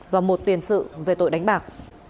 và một tiền sự về tội đánh bạc